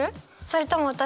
それとも私？」